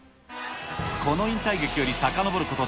この引退劇よりさかのぼること